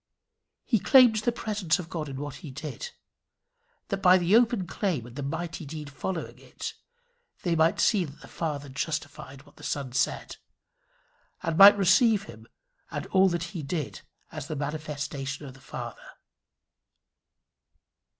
He claimed the presence of God in what he did, that by the open claim and the mighty deed following it they might see that the Father justified what the Son said, and might receive him and all that he did as the manifestation of the Father.